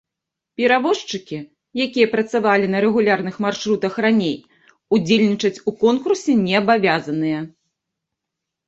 Перавозчыкі, якія працавалі на рэгулярных маршрутах раней, удзельнічаць у конкурсе не абавязаныя.